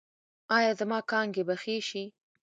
ایا زما کانګې به ښې شي؟